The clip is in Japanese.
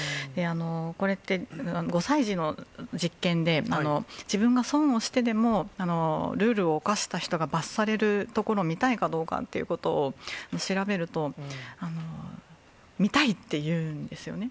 これって、５歳児の実験で、自分が損をしてでも、ルールを犯した人が罰されるところを見たいかどうかということを調べると、見たいっていうんですよね。